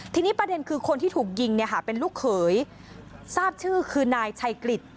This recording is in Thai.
ทีนี้ประเด็นคือคนที่ถูกยิงเนี่ยค่ะเป็นลูกเขยทราบชื่อคือนายชัยกฤษ